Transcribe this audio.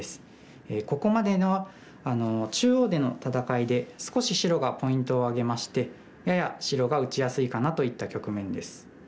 ここまでの中央での戦いで少し白がポイントを挙げましてやや白が打ちやすいかなといった局面です。